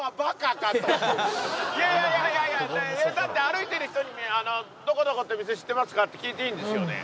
だって歩いてる人にどこどこって店知ってますか？って聞いていいんですよね？